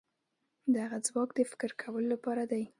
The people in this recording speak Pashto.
دغه ځواک د فکر کولو لپاره دی.